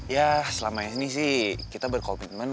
ya selama ini sih kita berkomitmen